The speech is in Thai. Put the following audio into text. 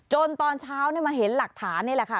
ตอนเช้ามาเห็นหลักฐานนี่แหละค่ะ